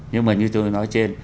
nhưng mà như tôi nói trên